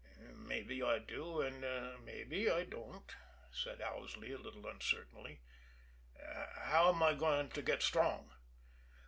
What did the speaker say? "Mabbe I do, and mabbe I don't," said Owsley, a little uncertainly. "How'm I going to get strong?"